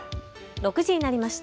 ６時になりました。